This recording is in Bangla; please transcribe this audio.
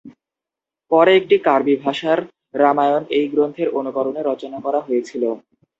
পরে একটি কার্বি ভাষার রামায়ণ এই গ্রন্থের অনুকরণে রচনা করা হয়েছিল।